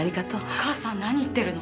お母さん何言ってるの？